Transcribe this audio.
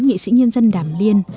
nghệ sĩ nhân dân đàm liên